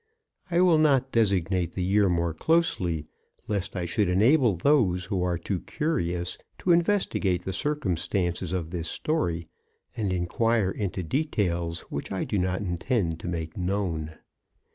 I will not designate the year more closely, lest I should enable those who are too curious to investigate the circum stances of this story, and inquire into details which I do not intend to make known.